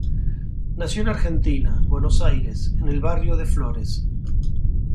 Nació en Argentina, Buenos Aires, en el barrio de Flores.